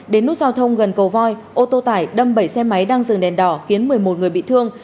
đến nút giao thông gần cầu voi ô tô tải đâm bảy xe máy đang dừng đèn đỏ khiến một mươi một người bị thương